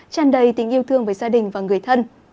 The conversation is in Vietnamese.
tràn đầy tình yêu thương với gia đình và người thân